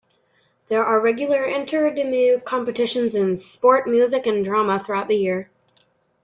There are regular inter-Deme competitions in sport, music and drama throughout the year.